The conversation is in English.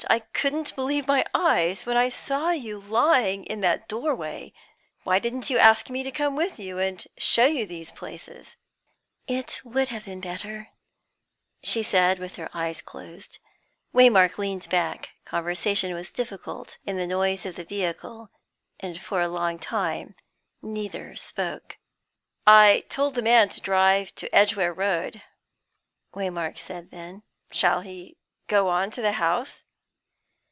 I couldn't believe my eyes when I saw you lying in that doorway. Why didn't you ask me to come with you, and show you these places?" "It would have been better," she said, with her eyes closed. Waymark leaned back. Conversation was difficult in the noise of the vehicle, and for a long time neither spoke. "I told the man to drive to Edgware Road," Waymark said then. "Shall he go on to the house?"